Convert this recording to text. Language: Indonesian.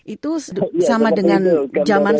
itu sama dengan zaman